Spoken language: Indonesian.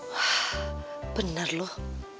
wah benar loh